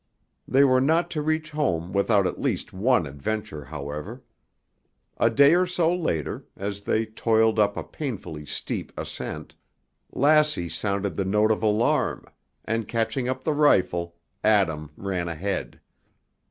They were not to reach home without at least one adventure, however. A day or so later, as they toiled up a painfully steep ascent, Lassie sounded the note of alarm, and catching up the rifle, Adam ran ahead.